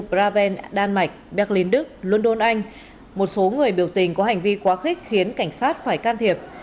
braven đan mạch berlin đức london anh một số người biểu tình có hành vi quá khích khiến cảnh sát phải can thiệp